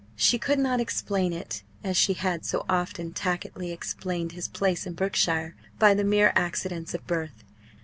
She could not explain it as she had so often tacitly explained his place in Brookshire by the mere accidents of birth.